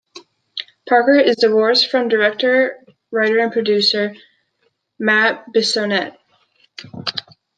Parker is divorced from director, writer, and producer Matt Bissonnette.